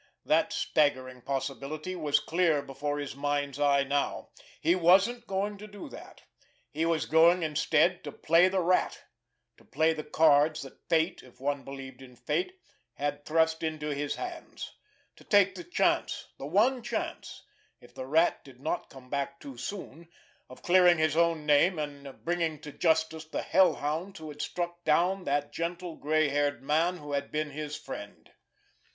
That "staggering possibility" was clear before his mind's eye now. He wasn't going to do that; he was going, instead—to play the Rat—to play the cards that fate, if one believed in fate, had thrust into his hands—to take the chance, the one chance, if the Rat did not come back too soon, of clearing his own name, and of bringing to justice the hell hounds, who had struck down that gentle gray haired man who had been his friend.